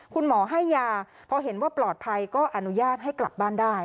คุณหมอให้ยาพอเห็นว่าปลอดภัยก็อนุญาตให้กลับบ้านได้